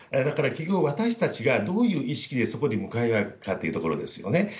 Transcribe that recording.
だから、結局、私たちがどういう意識でそこに向かうかということですよね。